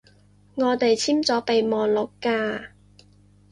我哋簽咗備忘錄㗎